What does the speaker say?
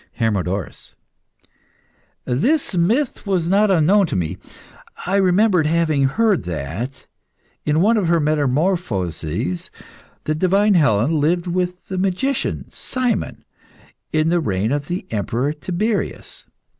HERMODORUS. This myth was not unknown to me. I remembered having heard that, in one of her metamorphoses, the divine Helen lived with the magician, Simon, in the reign of the Emperor Tiberius.